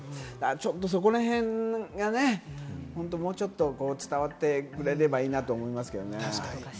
そこらへんがね、もうちょっと伝わってくれればいいなと思いますけどね。